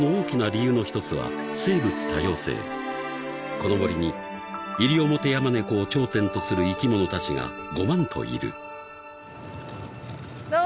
［この森にイリオモテヤマネコを頂点とする生き物たちがごまんといる］